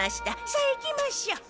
さあ行きましょう。